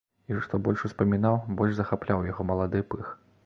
І што больш успамінаў, больш захапляў яго малады пых.